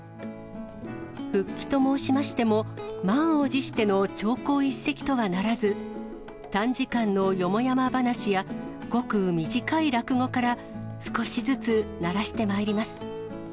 復帰と申しましても、満を持しての長講一席とはならず、短時間のよもやま話やごく短い落語から、少しずつ慣らしてまいります。